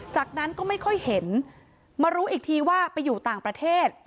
จากนั้นก็ไม่ค่อยเห็นมารู้อีกทีว่าไปอยู่ต่างประเทศ